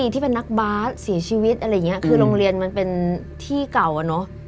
ที่เป็นนักบาสเสียชีวิตอะไรอย่างนี้คือโรงเรียนมันเป็นที่เก่าอะเนอะ